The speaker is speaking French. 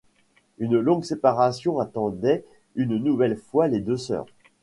Une longue séparation attendait une nouvelle fois les deux sœurs.